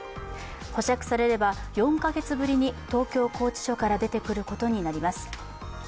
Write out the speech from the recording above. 保釈されれば４か月ぶりに東京拘置所から出てくることになります。